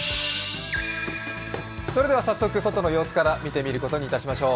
早速、外の様子から見てみることにしてみましょう。